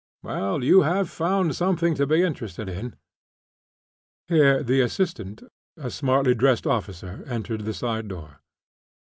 "Well, you have found something to be interested in!" Here the assistant, a smartly dressed officer, entered the side door.